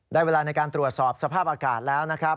เวลาในการตรวจสอบสภาพอากาศแล้วนะครับ